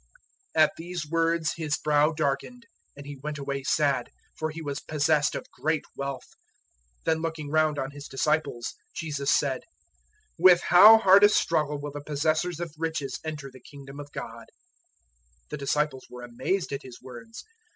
010:022 At these words his brow darkened, and he went away sad; for he was possessed of great wealth. 010:023 Then looking round on His disciples Jesus said, "With how hard a struggle will the possessors of riches enter the Kingdom of God!" 010:024 The disciples were amazed at His words.